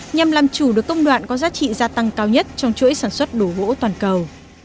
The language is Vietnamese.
nhằm làm chủ được công đoạn có giá trị gia tăng cao nhất trong chuỗi sản xuất đồ gỗ toàn cầu